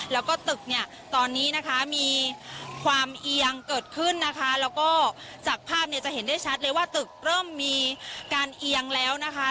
แล้วก็ตึกเนี่ยตอนนี้นะคะมีความเอียงเกิดขึ้นนะคะแล้วก็จากภาพเนี่ยจะเห็นได้ชัดเลยว่าตึกเริ่มมีการเอียงแล้วนะคะ